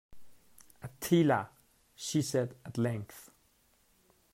"Attila," she said at length.